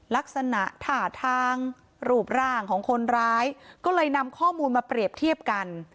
ลักษณะท่าทางรูปร่างของคนร้ายก็เลยนำข้อมูลมาเปรียบเทียบกัน